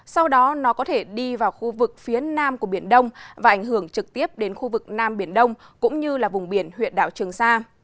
sau đó nó có thể đi vào khu vực phía nam của biển đông và ảnh hưởng trực tiếp đến khu vực nam biển đông cũng như là vùng biển huyện đảo trường sa